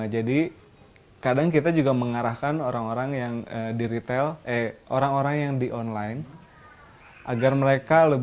jadi kadang kita juga mengarahkan orang orang yang di retail eh orang orang yang di online